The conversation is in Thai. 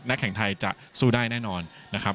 แข่งไทยจะสู้ได้แน่นอนนะครับ